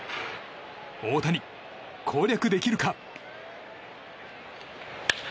大谷、攻略できるか？